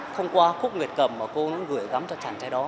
thông qua khúc nguyệt cầm mà cô gửi gắm cho chàng trai đó